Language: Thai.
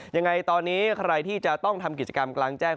ยังไงตอนนี้ใครที่จะต้องทำกิจกรรมกลางแจ้ง